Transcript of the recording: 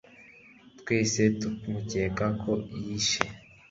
twese tumukeka ko yishe